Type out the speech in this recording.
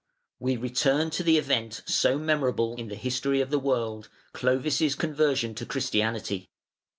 We return to the event so memorable in the history of the world, Clovis' conversion to Christianity.